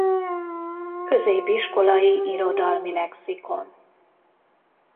Középiskolai irodalmi lexikon